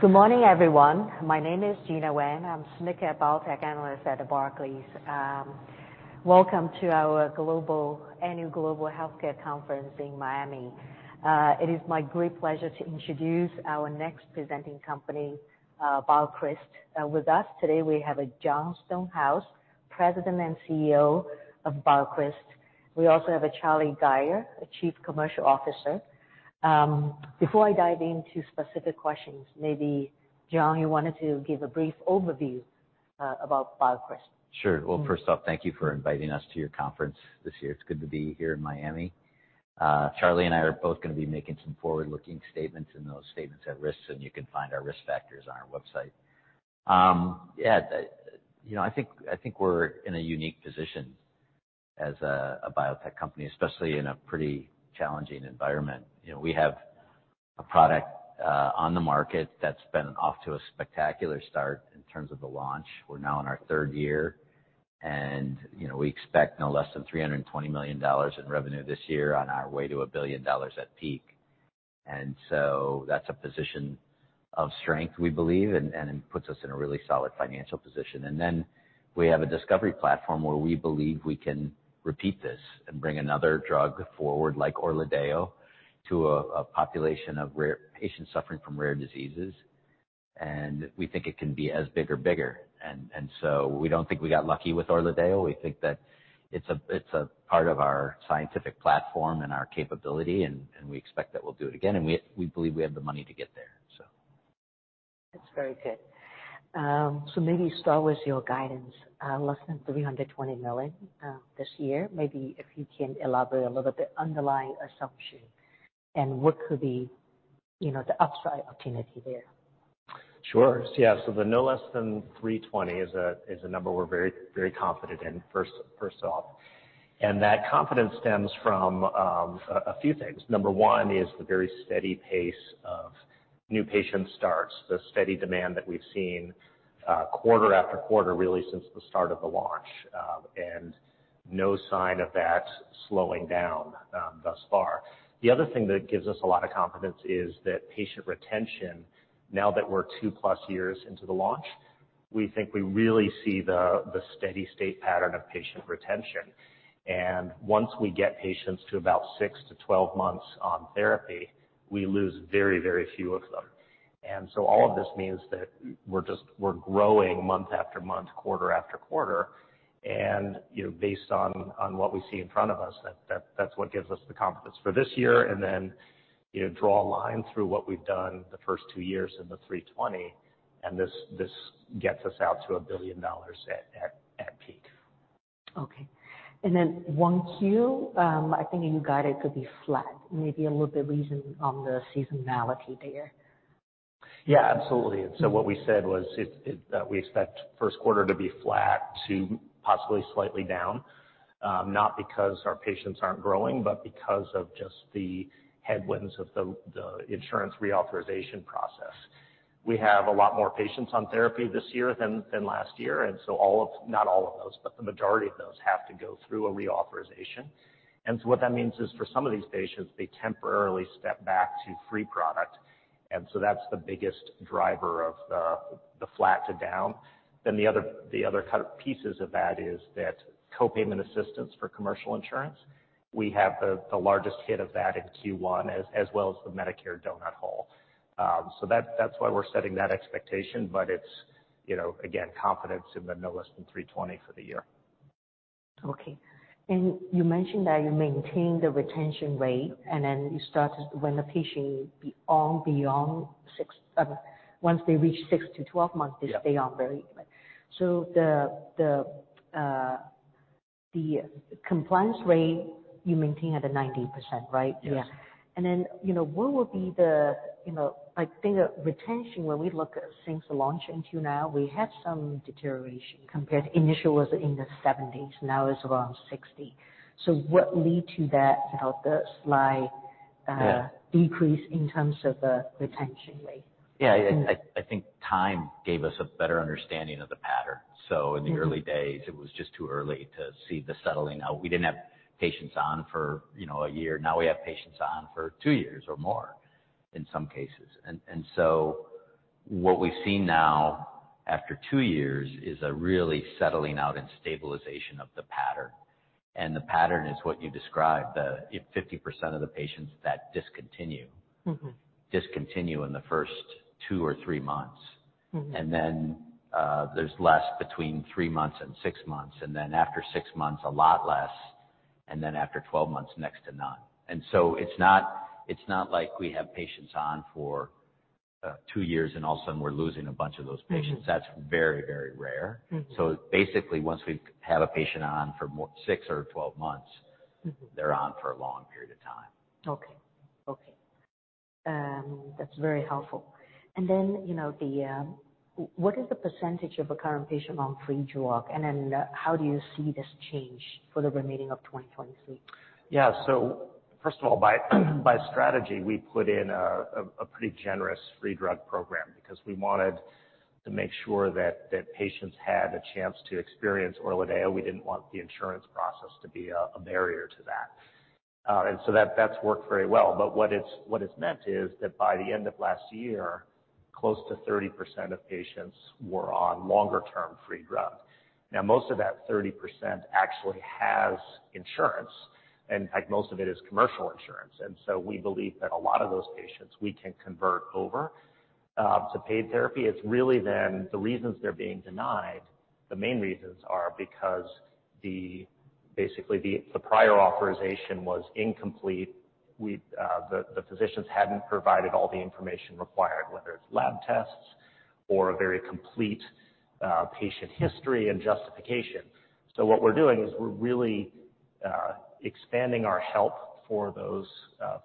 Good morning, everyone. My name is Gena Wang. I'm senior biotech analyst at Barclays. Welcome to our annual Global Healthcare Conference in Miami. It is my great pleasure to introduce our next presenting company, BioCryst. With us today, we have a Jon Stonehouse, President and CEO of BioCryst. We also have a Charlie Gayer, Chief Commercial Officer. Before I dive into specific questions, maybe, Jon, you wanted to give a brief overview about BioCryst. Sure. Well, first off, thank you for inviting us to your conference this year. It's good to be here in Miami. Charlie and I are both gonna be making some forward-looking statements. Those statements have risks, and you can find our risk factors on our website. Yeah, you know, I think we're in a unique position as a biotech company, especially in a pretty challenging environment. You know, we have a product on the market that's been off to a spectacular start in terms of the launch. We're now in our third year. You know, we expect no less than $320 million in revenue this year on our way to $1 billion at peak. That's a position of strength, we believe, and it puts us in a really solid financial position. We have a discovery platform where we believe we can repeat this and bring another drug forward, like ORLADEYO, to a population of patients suffering from rare diseases. We think it can be as big or bigger. We don't think we got lucky with ORLADEYO. We think that it's a part of our scientific platform and our capability, and we expect that we'll do it again, and we believe we have the money to get there, so. That's very good. Maybe start with your guidance, less than $320 million this year. Maybe if you can elaborate a little bit underlying assumption and what could be, you know, the upside opportunity there? Sure. Yeah. The no less than 320 is a number we're very, very confident in, first off. That confidence stems from a few things. Number 1 is the very steady pace of new patient starts, the steady demand that we've seen quarter after quarter, really since the start of the launch, and no sign of that slowing down thus far. The other thing that gives us a lot of confidence is that patient retention, now that we're 2+ years into the launch, we think we really see the steady state pattern of patient retention. Once we get patients to about 6 to 12 months on therapy, we lose very, very few of them. All of this means that we're growing month after month, quarter after quarter and, you know, based on what we see in front of us, that's what gives us the confidence for this year and then, you know, draw a line through what we've done the first 2 years in the 320, and this gets us out to $1 billion at peak. Okay. Then 1Q, I think you got it to be flat, maybe a little bit reason on the seasonality there. Absolutely. What we said was that we expect first quarter to be flat to possibly slightly down, not because our patients aren't growing, but because of just the headwinds of the insurance reauthorization process. We have a lot more patients on therapy this year than last year, not all of those, but the majority of those have to go through a reauthorization. What that means is, for some of these patients, they temporarily step back to free product. That's the biggest driver of the flat to down. The other kind of pieces of that is that co-payment assistance for commercial insurance. We have the largest hit of that in Q1 as well as the medicare donut hole. That's why we're setting that expectation. It's, you know, again, confidence in the no less than $320 for the year. Okay. You mentioned that you maintained the retention rate, and then you started when the patient on beyond 6... once they reach 6 to 12 months. Yeah. they stay on very. The compliance rate you maintain at a 90%, right? Yes. Yeah. you know, what would be the, I think retention when we look at since the launch until now, we have some deterioration compared initial was in the 70s, now it's around 60. What lead to that, you know? Yeah. decrease in terms of the retention rate? Yeah. I think time gave us a better understanding of the pattern. Mm-hmm. In the early days, it was just too early to see the settling out. We didn't have patients on for, you know, a year. Now we have patients on for two years or more in some cases. What we see now after two years is a really settling out and stabilization of the pattern. The pattern is what you described, the, if 50% of the patients that discontinue- Mm-hmm. Discontinue in the first two or three months. Mm-hmm. There's less between 3 months and 6 months, and then after 6 months, a lot less, and then after 12 months, next to none. It's not, it's not like we have patients on for, 2 years and all of a sudden we're losing a bunch of those patients. Mm-hmm. That's very, very rare. Mm-hmm. basically, once we've had a patient on for more 6 or 12 months. Mm-hmm. They're on for a long period of time .Okay. Okay. That's very helpful. You know, what is the % of a current patient on free drug, and then how do you see this change for the remaining of 2023? Yeah. First of all, by strategy, we put in a pretty generous free drug program because we wanted to make sure that patients had a chance to experience ORLADEYO. We didn't want the insurance process to be a barrier to that. That's worked very well. What it's meant is that by the end of last year, close to 30% of patients were on longer-term free drug. Now, most of that 30% actually has insurance, and in fact, most of it is commercial insurance. We believe that a lot of those patients we can convert over to paid therapy. It's really the reasons they're being denied, the main reasons are because the prior authorization was incomplete. The physicians hadn't provided all the information required, whether it's lab tests or a very complete patient history and justification. What we're doing is we're really expanding our help for those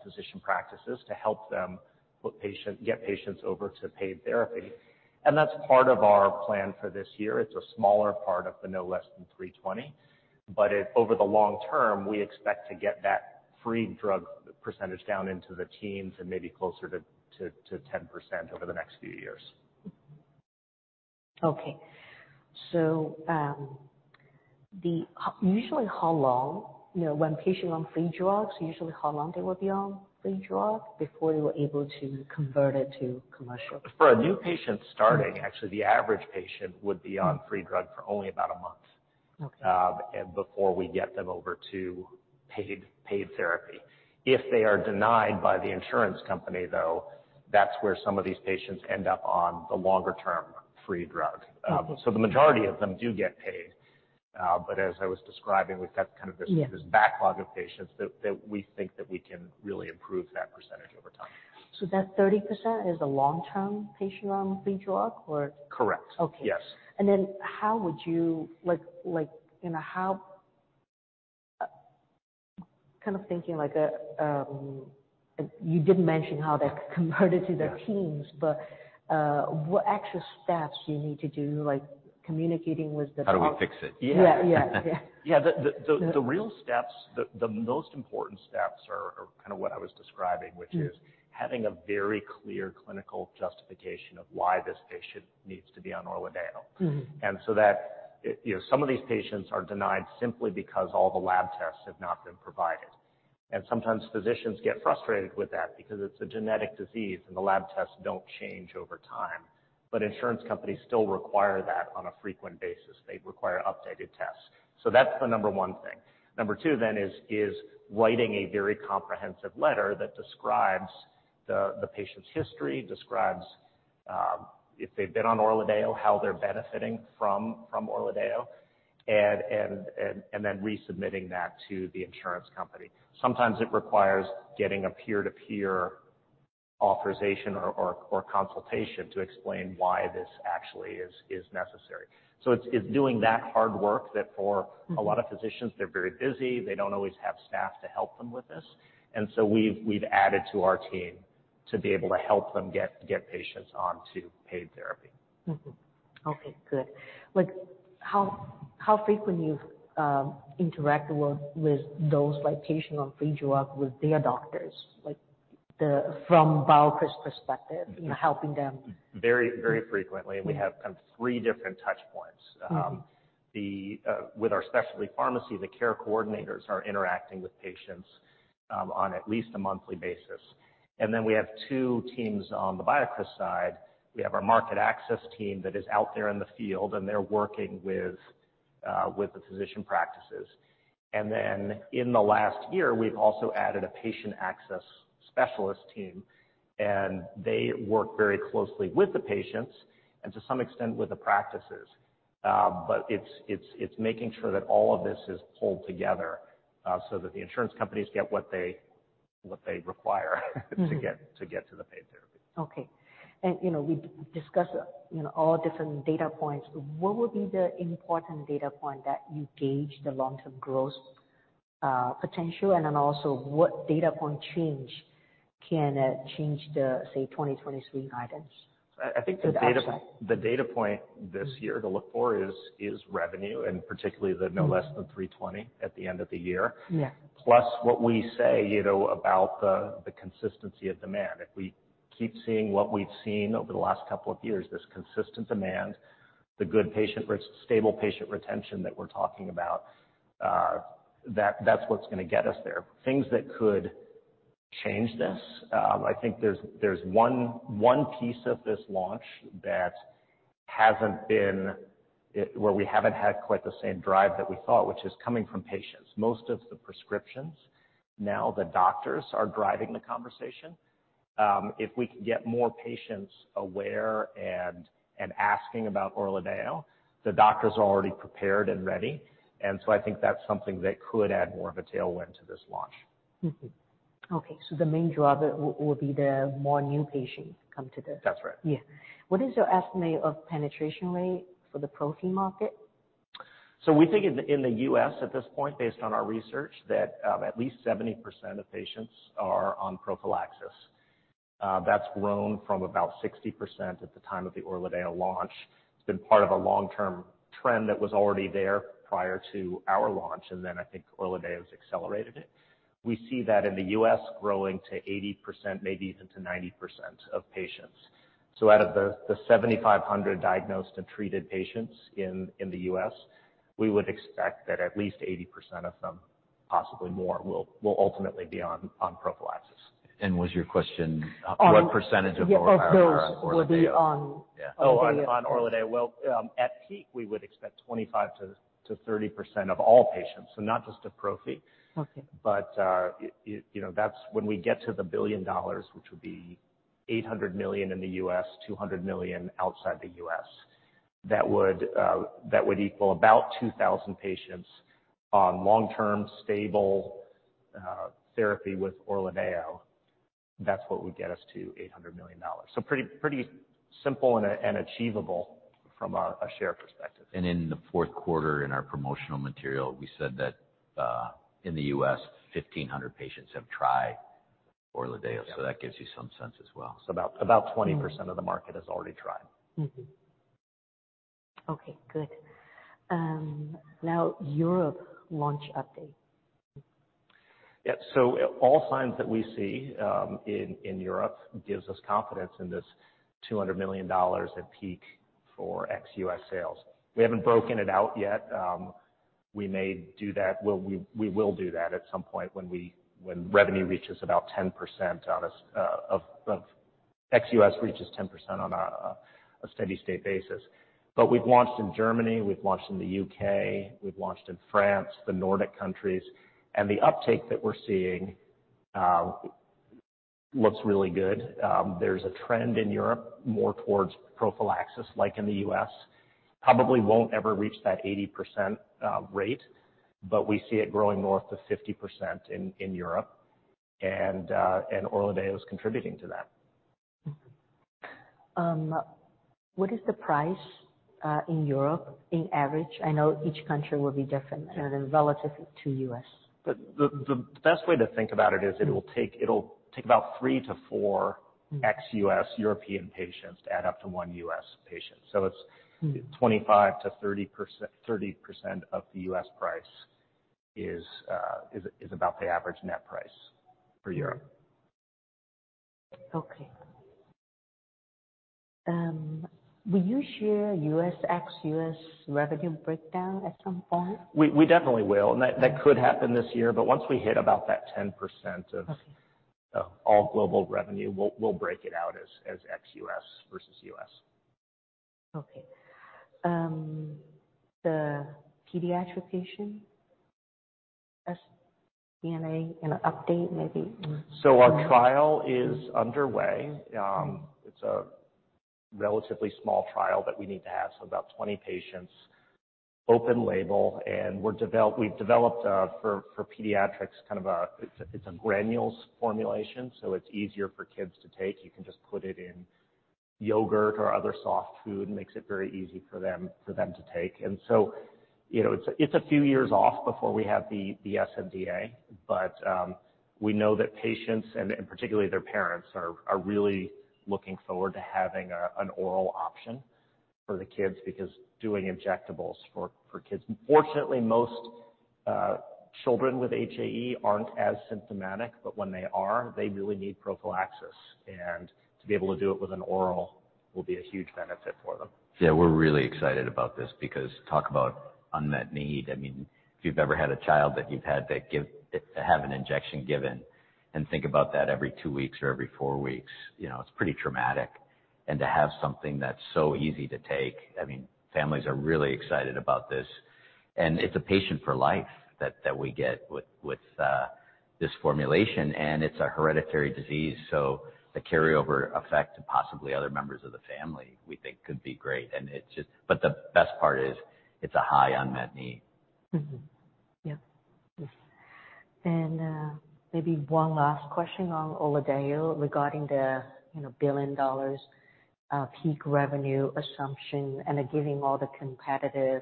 physician practices to help them get patients over to paid therapy. That's part of our plan for this year. It's a smaller part of the no less than 320. Over the long term, we expect to get that free drug percentage down into the teens and maybe closer to 10% over the next few years. Usually how long, you know, when patient on free drugs, usually how long they will be on free drug before you are able to convert it to commercial? For a new patient starting, actually, the average patient would be on free drug for only about a month- Okay. Before we get them over to paid therapy. If they are denied by the insurance company, though, that's where some of these patients end up on the longer-term free drug. The majority of them do get paid. As I was describing, we've got kind of this- Yeah. -this backlog of patients that we think that we can really improve that percentage over time. That 30% is a long-term patient on free drug or? Correct. Okay. Yes. Like, you know, kind of thinking like a, you did mention how that converted to the teams. Yeah. What actual steps do you need to do? Like communicating with the- How do we fix it? Yeah. Yeah. Yeah. Yeah. Yeah. The real steps, the most important steps are kind of what I was describing. Mm-hmm. which is having a very clear clinical justification of why this patient needs to be on ORLADEYO. Mm-hmm. You know, some of these patients are denied simply because all the lab tests have not been provided. Sometimes physicians get frustrated with that because it's a genetic disease, and the lab tests don't change over time. Insurance companies still require that on a frequent basis. They require updated tests. That's the number one thing. Number two then is writing a very comprehensive letter that describes the patient's history, describes, if they've been on ORLADEYO, how they're benefiting from ORLADEYO, and then resubmitting that to the insurance company. Sometimes it requires getting a peer-to-peer review or consultation to explain why this actually is necessary. It's doing that hard work. Mm-hmm. A lot of physicians, they're very busy. They don't always have staff to help them with this. We've added to our team to be able to help them get patients onto paid therapy. Okay. Good. Like, how frequently you interact with those like patient on free drug with their doctors, like from BioCryst perspective? Mm-hmm. You know, helping them? Very, very frequently. We have kind of three different touch points. Mm-hmm. With our specialty pharmacy, the care coordinators are interacting with patients on at least a monthly basis. We have two teams on the BioCryst side. We have our market access team that is out there in the field, and they're working with the physician practices. In the last year, we've also added a patient access specialist team, and they work very closely with the patients and to some extent with the practices. It's making sure that all of this is pulled together so that the insurance companies get what they require to get. to get to the paid therapy. Okay. You know, we discussed, you know, all different data points. What would be the important data point that you gauge the long-term growth potential? Also what data point change can change the, say, 2023 guidance? I think. To the upside. The data point this year to look for is revenue. Particularly the no less than $320 at the end of the year. Yeah. Plus what we say, you know, about the consistency of demand. If we keep seeing what we've seen over the last couple of years, this consistent demand, the good stable patient retention that we're talking about, that's what's gonna get us there. Things that could change this, I think there's one piece of this launch that hasn't been where we haven't had quite the same drive that we thought, which is coming from patients. Most of the prescriptions now, the doctors are driving the conversation. If we can get more patients aware and asking about ORLADEYO, the doctors are already prepared and ready. I think that's something that could add more of a tailwind to this launch. Okay. The main driver will be the more new patients come to. That's right. Yeah. What is your estimate of penetration rate for the prophy market? We think in the, in the U.S. at this point, based on our research, that at least 70% of patients are on prophylaxis. That's grown from about 60% at the time of the ORLADEYO launch. It's been part of a long-term trend that was already there prior to our launch, and then I think ORLADEYO's accelerated it. We see that in the U.S. growing to 80%, maybe even to 90% of patients. Out of the 7,500 diagnosed and treated patients in the U.S., we would expect that at least 80% of them, possibly more, will ultimately be on prophylaxis. Was your question what %? Of those will be. Yeah. On ORLADEYO? Well, at peak, we would expect 25-30% of all patients, so not just of prophy. Okay. You know, that's when we get to the $1 billion, which would be $800 million in the U.S., $200 million outside the U.S. That would equal about 2,000 patients on long-term stable therapy with ORLADEYO. That's what would get us to $800 million. Pretty simple and achievable from a share perspective. In the fourth quarter, in our promotional material, we said that, in the US, 1,500 patients have tried ORLADEYO. Yeah. That gives you some sense as well. About 20% of the market has already tried. Mm-hmm. Okay, good. Now Europe launch update. Yeah. All signs that we see in Europe gives us confidence in this $200 million at peak for ex-US sales. We haven't broken it out yet. We may do that. Well, we will do that at some point when revenue reaches about 10% on a, of ex-US reaches 10% on a steady state basis. We've launched in Germany, we've launched in the UK, we've launched in France, the Nordic countries. The uptake that we're seeing looks really good. There's a trend in Europe more towards prophylaxis like in the US. Probably won't ever reach that 80% rate, but we see it growing north of 50% in Europe. ORLADEYO is contributing to that. What is the price in Europe in average? I know each country will be different. Yeah. relative to U.S. The best way to think about it is it'll take about 3 to 4 ex-U.S. European patients to add up to 1 U.S. patient. It's 25%-30%. 30% of the U.S. price is about the average net price for Europe. Will you share US, ex-US revenue breakdown at some point? We definitely will. That could happen this year, but once we hit about that 10% of- Okay. -of all global revenue, we'll break it out as ex-US versus US. Okay. The pediatric patient, DNA, in an update maybe? Our trial is underway. It's a relatively small trial that we need to have, so about 20 patients, open-label. We've developed for pediatrics kind of a, it's a granules formulation, so it's easier for kids to take. You can just put it in yogurt or other soft food, makes it very easy for them to take. You know, it's a few years off before we have the SNDA, but we know that patients and particularly their parents are really looking forward to having an oral option for the kids because doing injectables for kids... Fortunately, most children with HAE aren't as symptomatic, but when they are, they really need prophylaxis. To be able to do it with an oral will be a huge benefit for them. Yeah, we're really excited about this because talk about unmet need. I mean, if you've ever had a child that you've had to give, to have an injection given, and think about that every 2 weeks or every 4 weeks, you know, it's pretty traumatic. To have something that's so easy to take, I mean, families are really excited about this. It's a patient for life that we get with this formulation. It's a hereditary disease, so the carryover effect to possibly other members of the family, we think could be great. The best part is it's a high unmet need. Maybe one last question on ORLADEYO regarding the, you know, $1 billion peak revenue assumption and giving all the competitive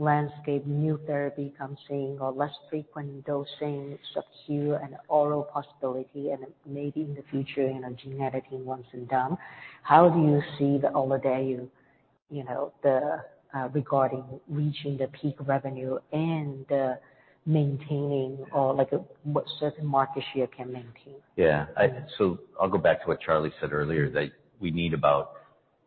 landscape, new therapy comes in or less frequent dosing, subcu and oral possibility and maybe in the future, you know, genetic once and done, how do you see the ORLADEYO, you know, the regarding reaching the peak revenue and maintaining or like what certain market share can maintain? Yeah. I'll go back to what Charlie said earlier, that we need about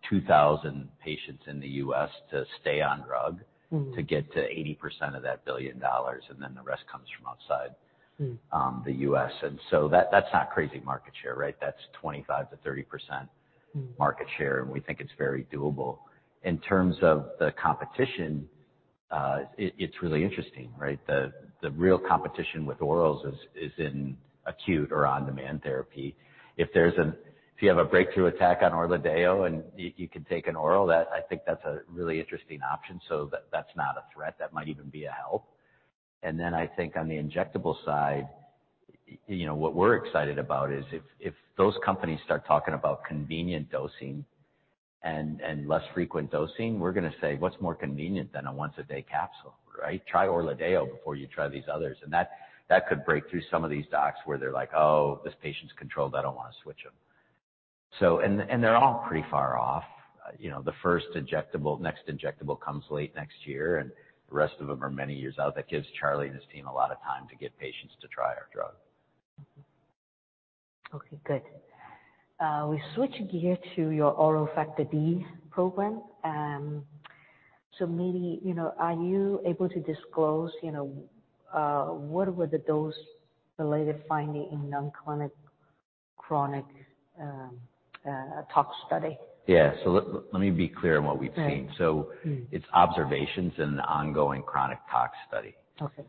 2,000 patients in the U.S. to stay on drug. Mm-hmm. -to get to 80% of that $1 billion, and then the rest comes from outside- Mm. the U.S. That's not crazy market share, right? That's 25%-30% market share, and we think it's very doable. In terms of the competition, it's really interesting, right? The real competition with orals is in acute or on-demand therapy. If you have a breakthrough attack on ORLADEYO and you can take an oral, that, I think that's a really interesting option. That's not a threat. That might even be a help. I think on the injectable side, you know, what we're excited about is if those companies start talking about convenient dosing and less frequent dosing, we're gonna say, "What's more convenient than a once-a-day capsule? Right? Try ORLADEYO before you try these others." That could break through some of these docs where they're like, "Oh, this patient's controlled. I don't wanna switch them. They're all pretty far off. You know, the first injectable, next injectable comes late next year, and the rest of them are many years out. That gives Charlie and his team a lot of time to get patients to try our drug. Okay, good. We switch gear to your oral Factor D program. Maybe, you know, are you able to disclose, you know, what were the dose-related finding in non-clinical chronic, tox study? Yeah. Let me be clear on what we've seen. Right. Mm-hmm. It's observations in the ongoing chronic toxicity study. Okay.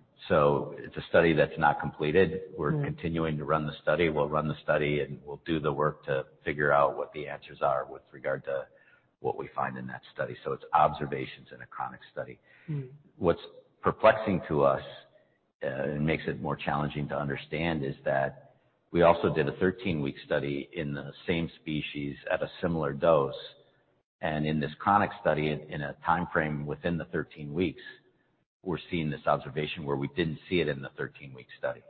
It's a study that's not completed. Mm-hmm. We're continuing to run the study. We'll run the study. We'll do the work to figure out what the answers are with regard to what we find in that study. It's observations in a chronic study. Mm-hmm. What's perplexing to us, and makes it more challenging to understand is that we also did a 13-week study in the same species at a similar dose. In this chronic study, in a timeframe within the 13 weeks, we're seeing this observation where we didn't see it in the 13-week study.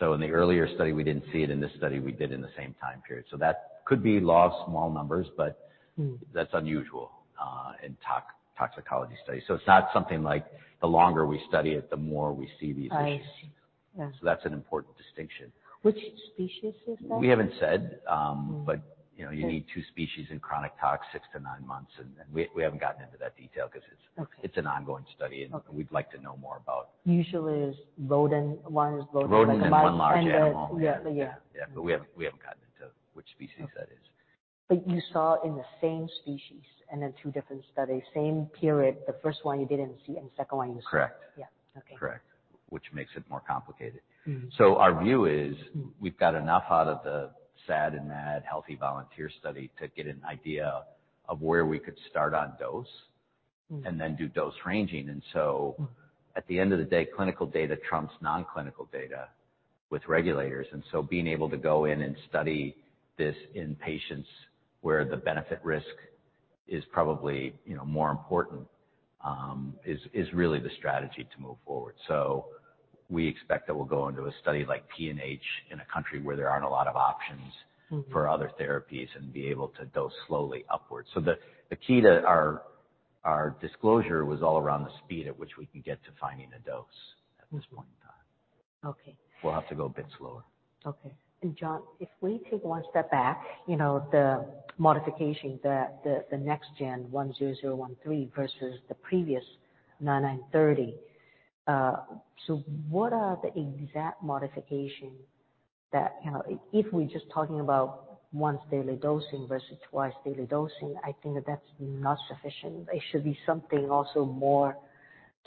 In the earlier study, we didn't see it. In this study, we did in the same time period. That could be law of small numbers, but-. Mm-hmm. That's unusual, in toxicology studies. It's not something like the longer we study it, the more we see these issues. I see. Yeah. That's an important distinction. Which species is that? We haven't said, but you know. Yeah. You need two species in chronic tox, six to nine months. We haven't gotten into that detail. Okay. It's an ongoing study. Okay. We'd like to know more about. Usually is rodent. One is rodent, like mi-. Rodent and one large animal. Yeah. Yeah. Yeah. We haven't gotten into which species that is. You saw in the same species and in two different studies, same period, the first one you didn't see and second one you saw. Correct. Yeah. Okay. Correct. Which makes it more complicated. Mm-hmm. Our view is we've got enough out of the SAD and MAD healthy volunteer study to get an idea of where we could start on. Mm-hmm. do dose-ranging. Mm-hmm. At the end of the day, clinical data trumps non-clinical data with regulators. Being able to go in and study this in patients where the benefit risk is probably, you know, more important, is really the strategy to move forward. We expect that we'll go into a study like PNH in a country where there aren't a lot of options. Mm-hmm. -for other therapies and be able to dose slowly upwards. The key to our disclosure was all around the speed at which we can get to finding a dose at this point in time. Okay. We'll have to go a bit slower. Okay. Jon, if we take one step back, you know, the modification that the next gen BCX10013 versus the previous BCX9930, what are the exact modification that, you know, if we're just talking about once daily dosing versus twice daily dosing, I think that that's not sufficient? It should be something also more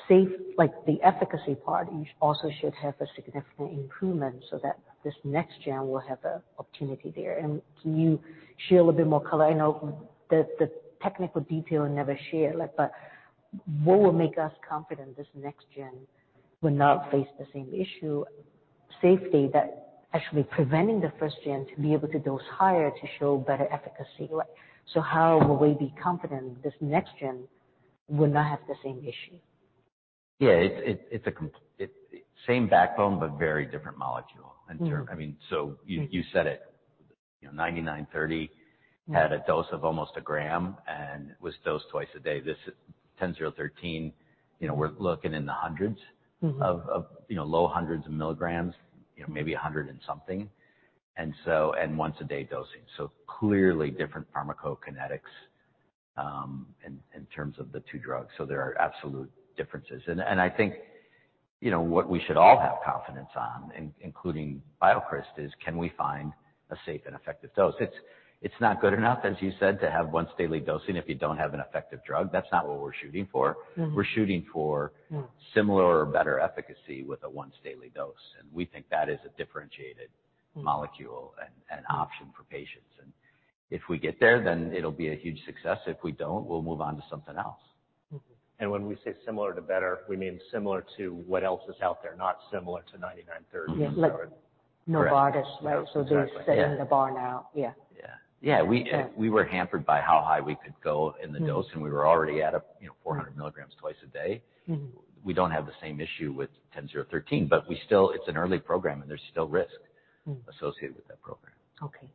safe. Like, the efficacy part also should have a opportunity there. Can you share a little bit more color? I know the technical detail never share, like, but what would make us confident this next gen will not face the same issue, safety that actually preventing the first gen to be able to dose higher to show better efficacy? Like, how will we be confident this next gen will not have the same issue? Yeah. It's same backbone but very different molecule. Mm-hmm. I mean, you said it. You know, 9930. Yeah. Had a dose of almost a gram and was dosed twice a day. This is ten zero thirteen. You know, we're looking in the hundreds... Mm-hmm. of, you know, low hundreds of milligrams, you know, maybe 100 and something. Once a day dosing. Clearly different pharmacokinetics, in terms of the two drugs. There are absolute differences. I think, you know, what we should all have confidence on including BioCryst, is can we find a safe and effective dose? It's not good enough, as you said, to have once daily dosing if you don't have an effective drug. That's not what we're shooting for. Mm-hmm. We're shooting for... Yeah. similar or better efficacy with a once daily dose. We think that is a differentiated molecule and option for patients. If we get there, then it'll be a huge success. If we don't, we'll move on to something else. Mm-hmm. When we say similar to better, we mean similar to what else is out there, not similar to BCX9930. Yeah. Like Novartis, right? Correct. Exactly. They're setting the bar now. Yeah. Yeah. Yeah. We were hampered by how high we could go in the. Mm-hmm. We were already at a, you know, 400 milligrams twice a day. Mm-hmm. We don't have the same issue with BCX10013, but we still... It's an early program and there's still risk- Mm. associated with that program. Okay.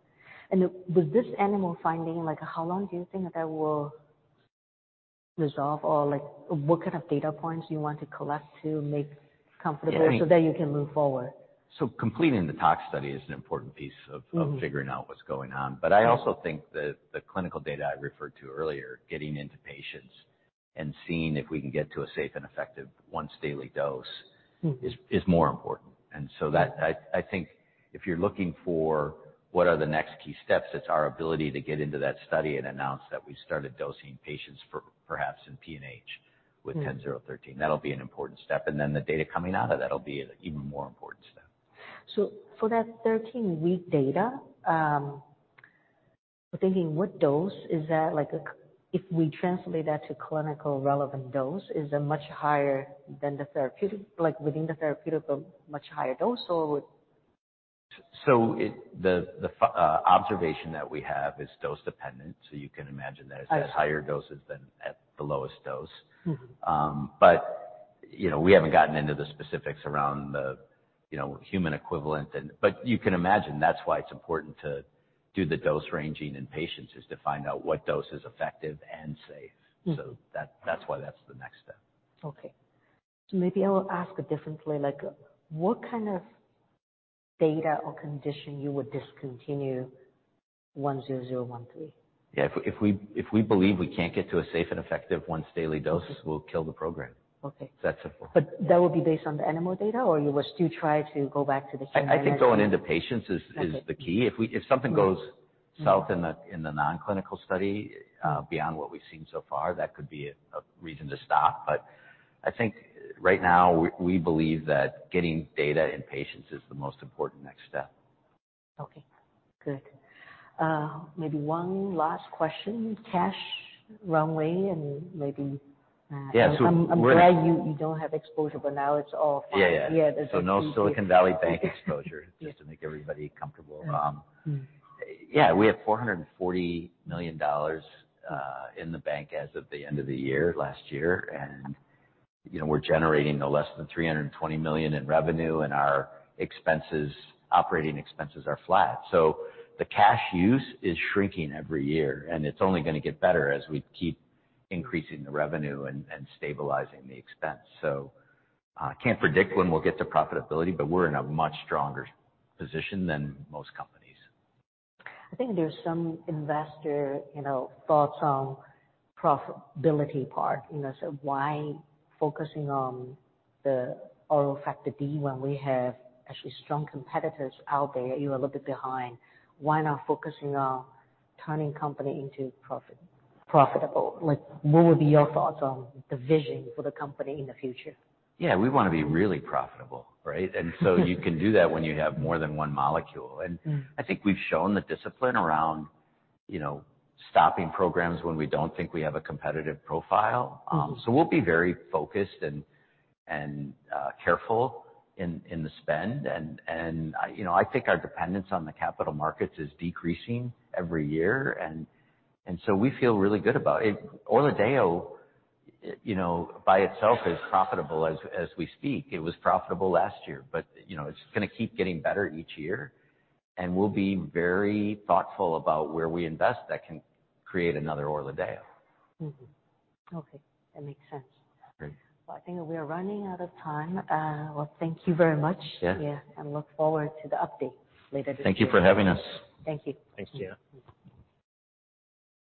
With this animal finding, like how long do you think that will resolve? Like what kind of data points do you want to collect to make comfortable-? Yeah, I think- That you can move forward? Completing the tox study is an important piece of. Mm-hmm. of figuring out what's going on. I also think that the clinical data I referred to earlier, getting into patients and seeing if we can get to a safe and effective once daily dose. Mm. is more important. Mm. I think if you're looking for what are the next key steps, it's our ability to get into that study and announce that we've started dosing patients for perhaps in PNH with BCX10013. Mm. That'll be an important step, and then the data coming out of that'll be an even more important step. For that 13-week data, we're thinking what dose is that? If we translate that to clinical relevant dose, is it much higher than the therapeutic? Like within the therapeutic but much higher dose? observation that we have is dose-dependent, you can imagine. I see. at higher doses than at the lowest dose. Mm-hmm. You know, we haven't gotten into the specifics around the, you know, human equivalent. You can imagine that's why it's important to do the dose ranging in patients, is to find out what dose is effective and safe. Mm-hmm. That, that's why that's the next step. Okay. Maybe I will ask a differently. Like, what kind of data or condition you would discontinue 10013? Yeah. If we believe we can't get to a safe and effective once-daily dosage, we'll kill the program. Okay. It's that simple. That would be based on the animal data, or you will still try to go back to the human-? I think going into patients is the key. Right. If something goes south in the non-clinical study, beyond what we've seen so far, that could be a reason to stop. I think right now we believe that getting data in patients is the most important next step. Okay, good. Maybe one last question. Cash runway and maybe. Yeah. I'm glad you don't have exposure, now it's all fine. Yeah, yeah. Yeah. There's a No Silicon Valley Bank exposure, just to make everybody comfortable. Yeah. Mm-hmm. We have $440 million in the bank as of the end of the year, last year. You know, we're generating less than $320 million in revenue, our expenses, operating expenses are flat. The cash use is shrinking every year, and it's only gonna get better as we keep increasing the revenue and stabilizing the expense. Can't predict when we'll get to profitability, but we're in a much stronger position than most companies. I think there's some investor, you know, thoughts on profitability part. You know, why focusing on the oral Factor D when we have actually strong competitors out there? You are a little bit behind. Why not focusing on turning company into profit, profitable? Like, what would be your thoughts on the vision for the company in the future? Yeah, we wanna be really profitable, right? You can do that when you have more than one molecule. Mm-hmm. I think we've shown the discipline around, you know, stopping programs when we don't think we have a competitive profile. Mm-hmm. We'll be very focused and careful in the spend. You know, I think our dependence on the capital markets is decreasing every year, so we feel really good about it. Orladeyo, you know, by itself is profitable as we speak. It was profitable last year. You know, it's just gonna keep getting better each year, and we'll be very thoughtful about where we invest that can create another Orladeyo. Mm-hmm. Okay, that makes sense. Great. Well, I think we are running out of time. Well, thank you very much. Yeah. Yeah. Look forward to the update later this year. Thank you for having us. Thank you. Thanks, Gena.